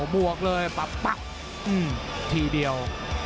บวกเลยปับทีเดียว